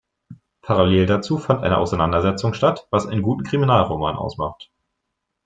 Parallel dazu fand eine Auseinandersetzung statt, was einen guten Kriminalroman ausmacht.